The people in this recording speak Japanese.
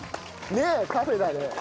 ねえカフェだね。